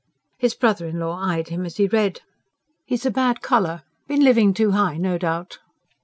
His brother in law eyed him as he read. "He's a bad colour. Been living too high, no doubt."